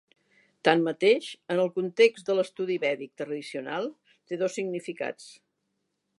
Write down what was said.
Tanmateix, en el context de l'estudi vèdic tradicional, té dos significats.